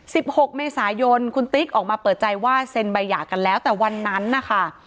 หกเมษายนคุณติ๊กออกมาเปิดใจว่าเซ็นใบหย่ากันแล้วแต่วันนั้นนะคะ